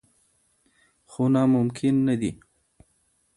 خو ناممکن نه دي.